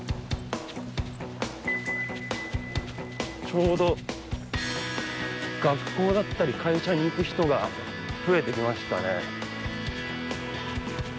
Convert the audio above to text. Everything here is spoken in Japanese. ちょうど学校だったり会社に行く人が増えてきましたね。